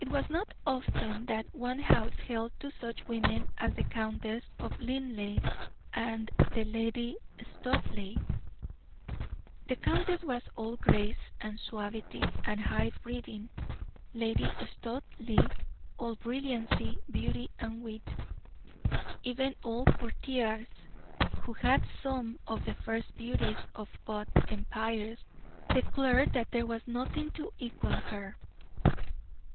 It was not often that one house held two such women as the Countess of Linleigh and Lady Studleigh. The countess was all grace, and suavity, and high breeding; Lady Studleigh all brilliancy, beauty, and wit. Even old courtiers, who had seen some of the first beauties of both empires, declared there was nothing to equal her.